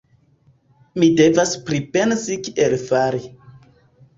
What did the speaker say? Mi devas pripensi kiel fari.